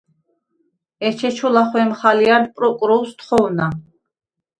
ეჩეჩუ ლახუ̂ემხ ალჲა̈რდ პროკროუ̂ს თხოუ̂ნა: